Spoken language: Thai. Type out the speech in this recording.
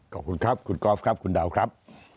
ขอบคุณครับคุณกอล์ฟคุณเดาะครับ